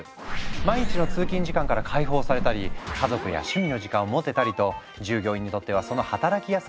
毎日の通勤時間から解放されたり家族や趣味の時間を持てたりと従業員にとってはその働きやすさが大好評！